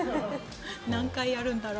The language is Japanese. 何回やるんだろう。